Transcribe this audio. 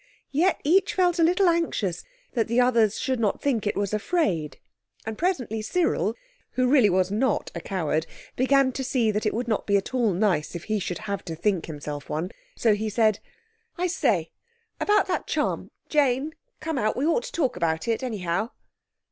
Yet each felt a little anxious that the others should not think it was afraid, and presently Cyril, who really was not a coward, began to see that it would not be at all nice if he should have to think himself one. So he said— "I say—about that charm—Jane—come out. We ought to talk about it, anyhow."